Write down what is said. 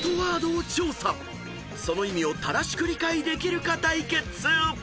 ［その意味を正しく理解できるか対決］